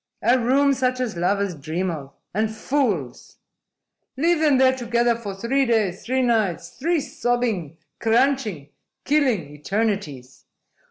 A room such as lovers dream of and fools! Leave them there together for three days, three nights, three sobbing, crunching, killing eternities!